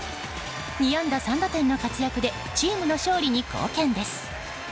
２安打３打点の活躍でチームの勝利に貢献です。